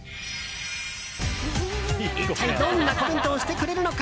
一体どんなコメントをしてくれるのか。